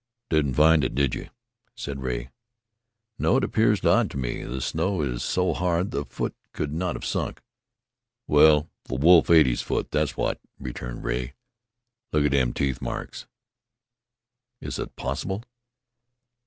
"Didn't find it, did you?" said Rea. "No, and it appears odd to me. The snow is so hard the foot could not have sunk." "Well, the wolf ate his foot, thet's what," returned Rea. "Look at them teeth marks!" "Is it possible?"